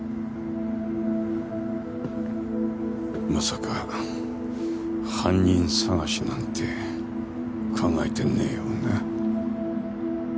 まさか犯人捜しなんて考えてねぇよな？